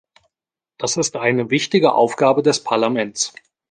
Das ist eine wichtige Aufgabe des Parlaments.